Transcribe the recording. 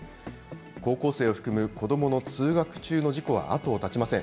高校生を含む子どもの通学中の事故は後を絶ちません。